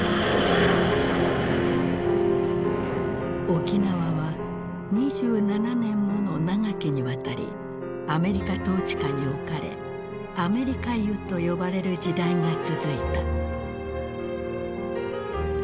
沖縄は２７年もの長きにわたりアメリカ統治下に置かれ「アメリカ世」と呼ばれる時代が続いた。